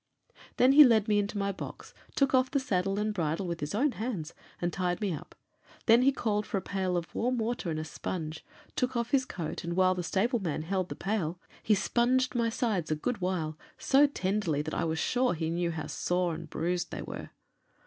Then he led me into my box, took off the saddle and bridle with his own hands, and tied me up; then he called for a pail of warm water and a sponge, took off his coat, and while the stable man held the pail, he sponged my sides a good while, so tenderly that I was sure he knew how sore and bruised they were.